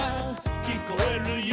「きこえるよ」